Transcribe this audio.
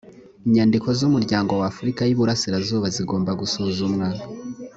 inyandiko z’umuryango w afurika y iburasirazuba zigomba gusuzumwa